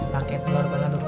pakai telur bala duk